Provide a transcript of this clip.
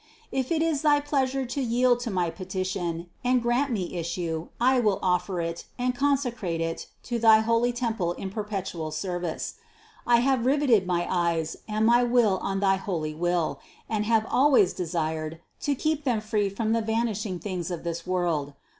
If it is Thy pleasure to yield to my pe tition, and grant me issue I will offer it and consecrate it to thy holy temple in perpetual service. I have riveted my eyes and my will on thy holy Will and have always desired to keep them free from the vanishing things of this world.